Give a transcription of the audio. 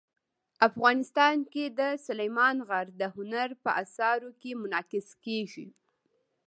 افغانستان کې سلیمان غر د هنر په اثارو کې منعکس کېږي.